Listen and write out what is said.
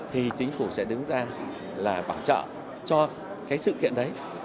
thì chính phủ sẽ đứng ra bảo trợ cho sự kiện đấy